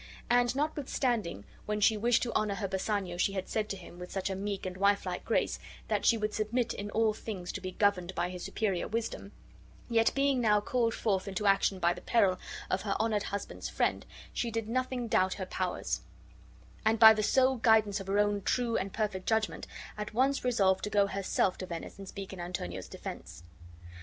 And notwithstanding when she wished to honor her Bassanio she had said to him, with such a meek and wifelike grace, that she would submit in all things to be governed by his superior wisdom, yet being now called forth into action by the peril of her honored husband's friend, she did nothing doubt her own powers, and by the sole guidance of her own true and perfect judgment at once resolved to go herself to Venice and speak in Antonio's defense.